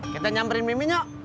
kita nyamperin mimin yuk